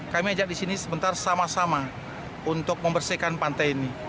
kami ajak di sini sebentar sama sama untuk membersihkan pantai ini